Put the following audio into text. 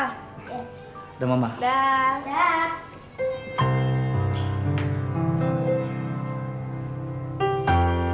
ya udah mama datiin pak